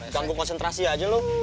ganggu konsentrasi aja lo